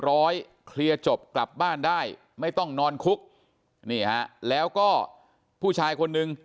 ร้อยเคลียร์จบกลับบ้านได้ไม่ต้องนอนคุกนี่ฮะแล้วก็ผู้ชายคนนึง